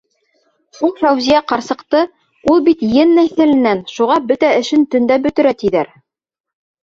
Шул Фәүзиә ҡарсыҡты: «Ул бит ен нәҫеленән, шуға бөтә эшен төндә бөтөрә», - тиҙәр.